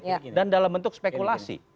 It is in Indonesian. tapi itu dalam bentuk spekulasi